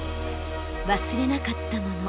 忘れなかったもの。